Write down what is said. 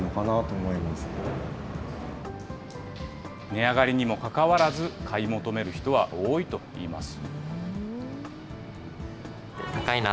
値上がりにもかかわらず、買い求める人は多いといいます。